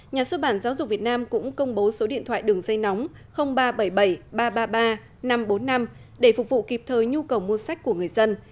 nhà xuất bản giáo dục việt nam cũng công bố số điện thoại đường dây nóng ba trăm bảy mươi bảy ba trăm ba mươi ba năm trăm bốn mươi năm để phục vụ kịp thời nhu cầu mua sách của người dân